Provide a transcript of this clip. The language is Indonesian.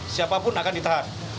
siapapun akan ditahan